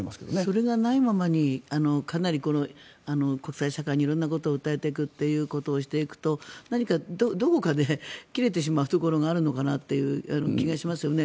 それがないままにかなり、この国際社会に色んなことを訴えていくということをしていくと何か、どこかで切れてしまうところがあるのかなっていう気がしますよね。